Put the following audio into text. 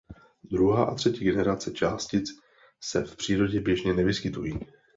Druhá a třetí generace částic se v přírodě běžně nevyskytují.